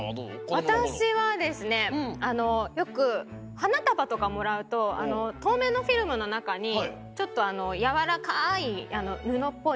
わたしはですねよくはなたばとかもらうととうめいのフィルムのなかにちょっとやわらかいぬのっぽい。